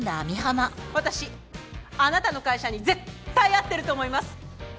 私あなたの会社に絶対合ってると思います！